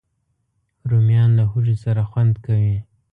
رومیان له هوږې سره خوند کوي